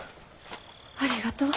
ありがとう。